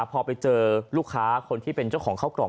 พอไปเจอลูกค้าคนที่เป็นเจ้าของเข้ากล่อง